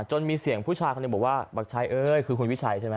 มีเสียงผู้ชายคนหนึ่งบอกว่าบักชัยเอ้ยคือคุณวิชัยใช่ไหม